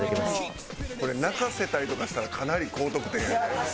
これ泣かせたりとかしたらかなり高得点やで。